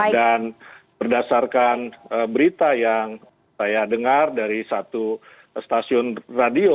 dan berdasarkan berita yang saya dengar dari satu stasiun radio